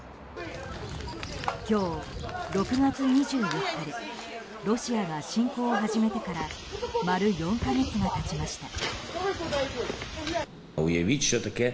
今日６月２４日でロシアが侵攻を始めてから丸４か月が経ちました。